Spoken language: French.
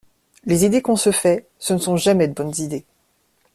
Les idées qu’on se fait, ce ne sont jamais de bonnes idées.